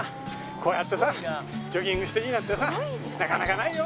こうやってさジョギングしていいなんてさなかなかないよ。